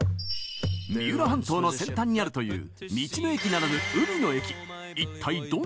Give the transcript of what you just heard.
三浦半島の先端にあるという道の駅ならぬ海の駅。